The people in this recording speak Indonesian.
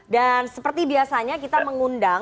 dan seperti biasanya kita mengundang